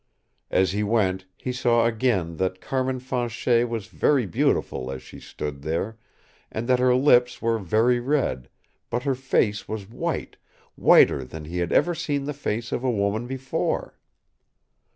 As he went he saw again that Carmin Fanchet was very beautiful as she stood there, and that her lips were very red but her face was white, whiter than he had ever seen the face of a woman before.